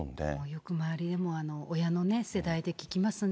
よく周りでも、親の世代で聞きますね。